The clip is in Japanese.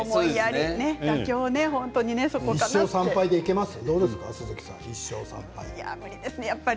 １勝３敗でいけますか。